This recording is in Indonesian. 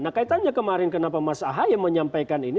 nah kaitannya kemarin kenapa mas ahaye menyampaikan ini